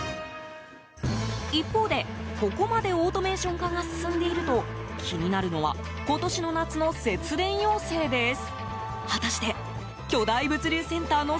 一方で、ここまでオートメーション化が進んでいると気になるのは今年の夏の節電要請です。